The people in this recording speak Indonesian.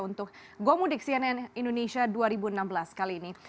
untuk gomudik cnn indonesia dua ribu enam belas kali ini